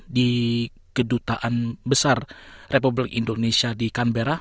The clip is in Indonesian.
di kedutaan besar republik indonesia di canberra